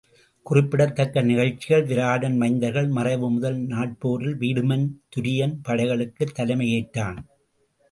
குறிப்பிடத்தக்க நிகழ்ச்சிகள் விராடன் மைந்தர்கள் மறைவு முதல் நாட் போரில் வீடுமன் துரியன் படைகளுக்குத் தலைமை ஏற்றான்.